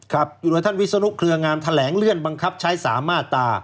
อยู่ในท่านวิศนุเครืองามแถลงเลื่อนบังคับใช้๓มาตรา